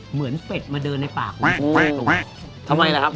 เหมือนเป็ดมาเดินในป่าคุณทำไมละครับ